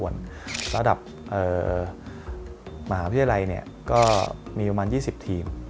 ส่วนระดับมหาวิทยาลัยก็มีประมาณ๒๐ทีม